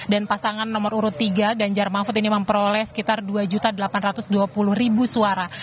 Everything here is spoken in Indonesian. pasangan nomor urut tiga ganjar mahfud ini memperoleh sekitar dua delapan ratus dua puluh suara